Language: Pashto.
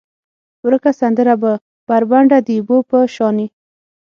ورکه سندره به، بربنډه د اوبو په شانې،